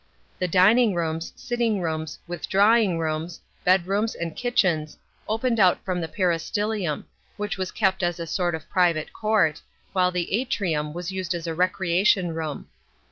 'I he dining rooms, sitting rooms, withdrawing rooms, bed rooms and kitchens opened out from the pet istylium, which was kept as a sort of private court, while the atrium was used as a recei tion room.